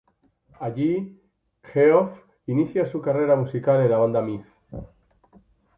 Allí, Geoff inicia su carrera musical en la banda "Myth".